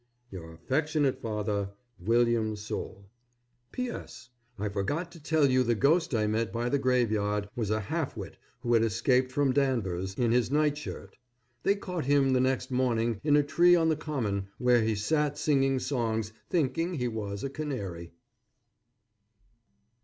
Your affectionate father, WILLIAM SOULE. P. S. I forgot to tell you the ghost I met by the graveyard was a half wit who had escaped from Danvers in his nightshirt. They caught him the next morning, in a tree on the common, where he sat singing songs, thinking he was a canary.